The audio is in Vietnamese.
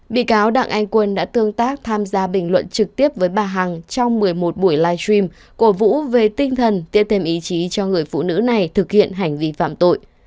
bị cáo đặng anh quân đã tương tác tham gia bình luận trực tiếp với bà hằng trong một mươi một buổi live stream cổ vũ về tinh thần tiếp thêm ý chí cho người phụ nữ này thực hiện hành vi phạm tội